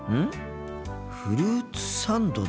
フルーツサンドだ。